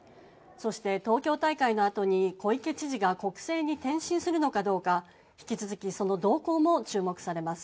そして東京大会のあとに小池知事が国政に転身するのかどうか引き続きその動向も注目されます。